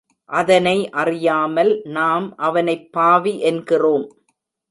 அதனை அறியாமல் நாம் அவனைப் பாவி என்கிறோம்.